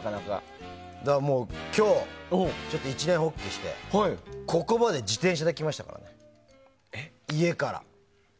だから今日ちょっと一念発起してここまで自転車で来ましたからね家から。